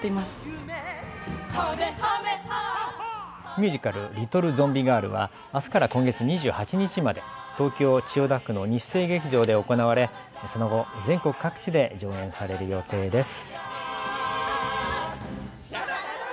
ミュージカル、リトル・ゾンビガールはあすから今月２８日まで東京千代田区の日生劇場で行われ、その後、全国各地で上演される予定です。